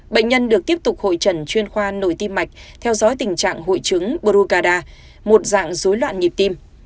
bệnh nhân được tiếp tục hội trần chuyên khoa nội tim mạch theo dõi tình trạng hội chứng brucada một dạng dối loạn nhịp tim